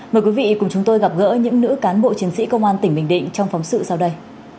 mời quý vị cùng chúng tôi gặp gỡ những nữ cán bộ chiến sĩ công an tỉnh bình định trong phóng sự sau đây